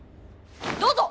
どうぞ！